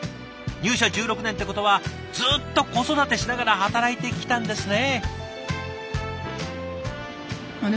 入社１６年ってことはずっと子育てしながら働いてきたんですね。